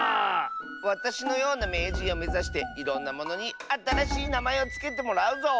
わたしのようなめいじんをめざしていろんなものにあたらしいなまえをつけてもらうぞ。